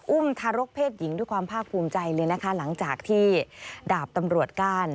ทารกเพศหญิงด้วยความภาคภูมิใจเลยนะคะหลังจากที่ดาบตำรวจก้าน